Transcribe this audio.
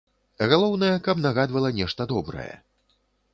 Галоўнае, каб нагадвала нешта добрае.